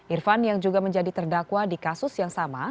irfan yang juga menjadi terdakwa di kasus yang sama